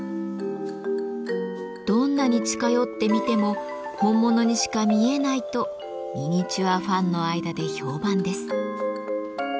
どんなに近寄って見ても本物にしか見えないとミニチュアファンの間で評判です。